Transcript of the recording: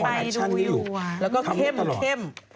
ใช่ค่ะไปดูอยู่แล้วก็เข้ม